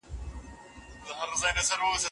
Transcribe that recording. زه به ستا د نېکمرغه ژوند لپاره دعاګانې کوم.